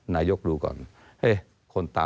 ไหนกลุ่มนะคะ